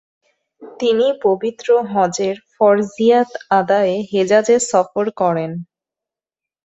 তিনি পবিত্র হজ্বের ফরযিয়্যাত আদায়ে হেজাযে সফর করেন।